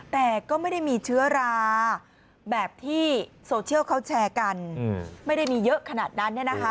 แต่ก็ไม่ได้มีเชื้อราแบบที่โซเชียลเขาแชร์กันไม่ได้มีเยอะขนาดนั้น